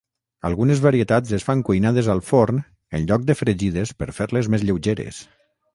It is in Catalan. Algunes varietats es fan cuinades al forn en lloc de fregides per fer-les més lleugeres.